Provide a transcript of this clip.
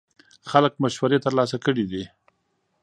خلک مشورې ترلاسه کړې دي.